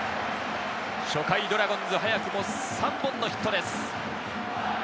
初回ドラゴンズ、早くも３本のヒットです。